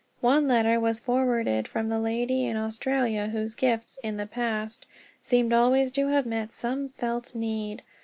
One letter was forwarded from the lady in Australia whose gifts, in the past, seemed always to have met some felt need.